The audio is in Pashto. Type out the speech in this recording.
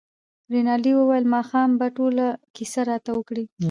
رینالډي وویل ماښام به ټوله کیسه راته وکړې.